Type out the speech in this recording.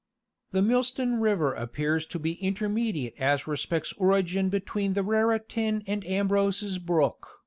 The Millstone river appears to be intermediate as respects origin between the Raritan and Ambrose's brook.